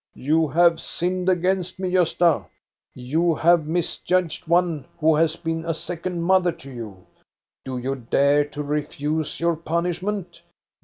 " You have sinned against me, Gosta. You have misjudged one who has been a second mother to you. Do you dare to refuse your punishment